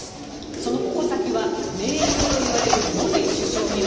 その矛先は盟友といわれるモディ首相にも。